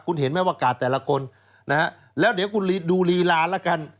คุณเห็นไหมว่ากาดแต่ละคนนะฮะแล้วเดี๋ยวคุณดูลีลาแล้วกัน